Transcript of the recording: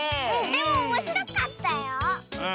でもおもしろかったよ。